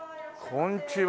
こんにちは。